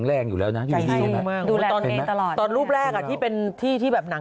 ได้แล้วรอบโรงพยาบาล